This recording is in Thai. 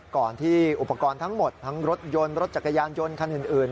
ก่อนที่อุปกรณ์ทั้งหมดทั้งรถยนต์รถจักรยานยนต์คันอื่น